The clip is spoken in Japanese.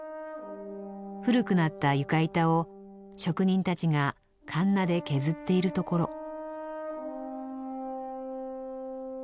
古くなった床板を職人たちがかんなで削っているところ。